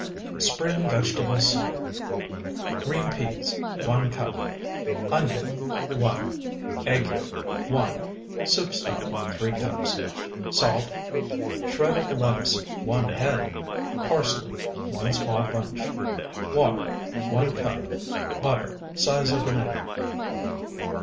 SPRING VEGETABLE SOUP Green peas, 1 cup. Onion, 1. Egg yolk, 1. Soup stock, 3 cups. Salt. Shredded lettuce, 1 head. Parsley, 1 small bunch. Water, 1 cup. Butter, size of egg.